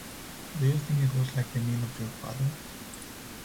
Do you think it was like the meal of your father?